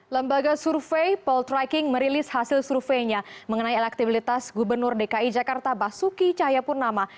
lembaga survei paul treiking merilis hasil surveinya mengenai elektabilitas gubernur dki jakarta basuki cahayapurnama